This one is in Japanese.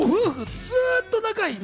ずっと仲がいいね。